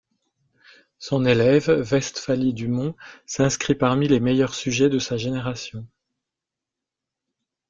Son élève, Vestphalie du Mont, s'inscrit parmi les meilleurs sujets de sa génération.